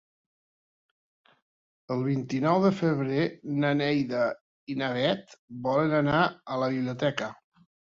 El vint-i-nou de febrer na Neida i na Bet volen anar a la biblioteca.